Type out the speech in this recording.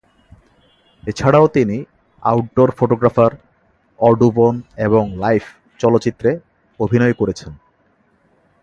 এছাড়াও তিনি "outdoor photographer", "Audubon" এবং "লাইফ" চলচ্চিত্রে অভিনয় করেছেন।